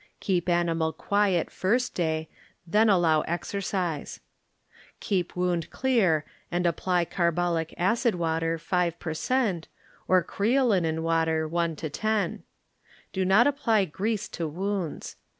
Keep animal quiet first day, then allow exer cise. Keep wound clear and apply car bolic, acid water 5 per cent, or creolin and water 1 to 10. Do not apply grease to wounds.